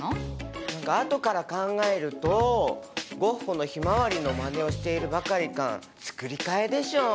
何かあとから考えるとゴッホの「ひまわり」のまねをしているばかりか作り替えでしょ？